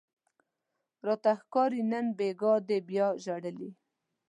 راته ښکاري نن بیګاه دې بیا ژړلي